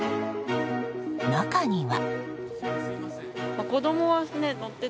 中には。